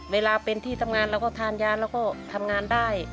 เวลาเป็นที่ทำงานเราก็ทานยาเราก็ทำงานได้